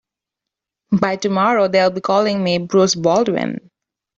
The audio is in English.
By tomorrow they'll be calling me Bruce Baldwin.